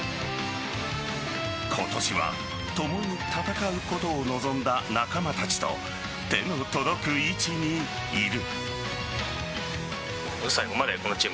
今年は共に戦うことを望んだ仲間たちと手の届く位置にいる。